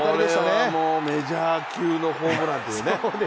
これはもうメジャー級のホームランというね。